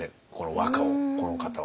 和歌をこの方は。